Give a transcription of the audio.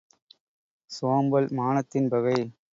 சோம்பல் மானத்தின் பகை!